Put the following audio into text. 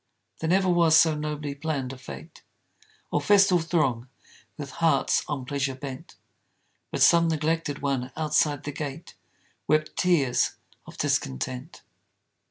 There never was so nobly planned a fête, Or festal throng with hearts on pleasure bent, But some neglected one outside the gate Wept tears of discontent.